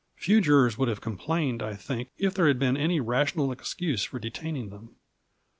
Few jurors would have complained, I think if there had been any rational excuse for detaining them.